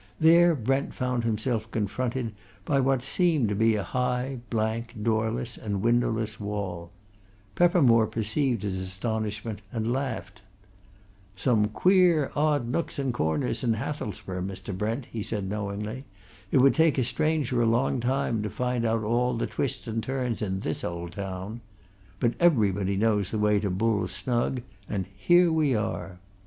There Brent found himself confronted by what seemed to be a high, blank, doorless and windowless wall; Peppermore perceived his astonishment and laughed. "Some queer, odd nooks and corners in Hathelsborough, Mr. Brent!" he said knowingly. "It would take a stranger a long time to find out all the twists and turns in this old town. But everybody knows the way to Bull's Snug and here we are!"